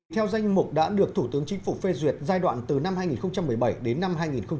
theo danh mục đã được thủ tướng chính phủ phê duyệt giai đoạn từ năm hai nghìn một mươi bảy đến năm hai nghìn một mươi chín